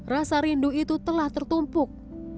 rasa rindu itu telah tertumpuk